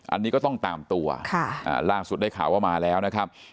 อันนี้ก็ต้องตามตัวล่าสุดได้ข่าวว่ามาแล้วนะครับ